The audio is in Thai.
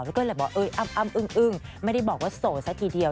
แล้วก็เลยบอกเอ้ยอ้ำอึ้งไม่ได้บอกว่าโสดซะทีเดียว